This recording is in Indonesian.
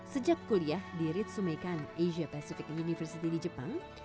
sejak kuliah di ritsumekan asia pacific university di jepang